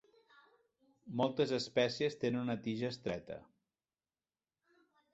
Moltes espècies tenen una tija estreta.